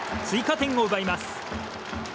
追加点を奪います。